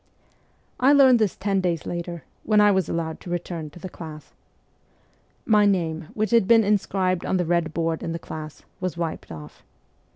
I learned this ten days later, when I was allowed to return to the class. My name, which had been inscribed on the red board in the class, was wiped off.